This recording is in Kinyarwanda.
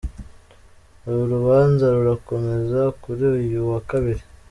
Uru rubanza rurakomeza kuri uyu wa Kabiri.